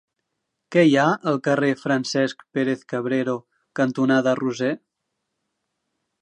Què hi ha al carrer Francesc Pérez-Cabrero cantonada Roser?